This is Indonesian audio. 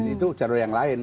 itu jalur yang lain